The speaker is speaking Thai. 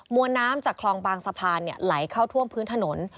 วนน้ำจากคลองบางสะพานไหลเข้าท่วมพื้นถนน